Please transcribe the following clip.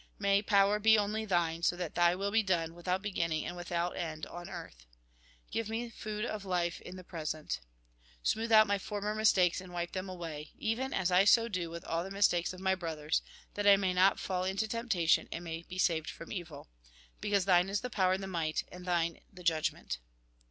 May power be only Thine, so that Thy will be done, without begivniny and without end, on earth. Give me food of Ufe in the present . Smooth out my former mistales, and wijK them away ; even as I so do with edl the mistakes of my brothers, that I may not fcdl into temptation, and may be saved from evil. Beeause Thine is the power and might, and Thine the judgment.